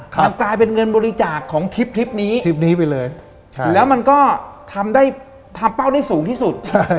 มันกลายเป็นเงินบริจาคของทริปนี้แล้วมันก็ทำได้เป้าได้สูงที่สุด